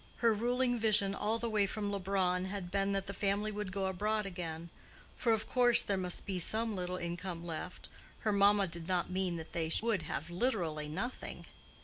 Her ruling vision all the way from Leubronn had been that the family would go abroad again; for of course there must be some little income left—her mamma did not mean that they would have literally nothing.